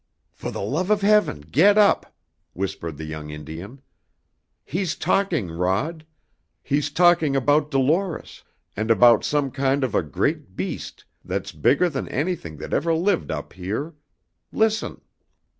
"For the love of Heaven, get up!" whispered the young Indian. "He's talking, Rod! He's talking about Dolores, and about some kind of a great beast that's bigger than anything that ever lived up here! Listen!"